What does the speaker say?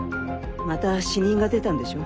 また死人が出たんでしょ。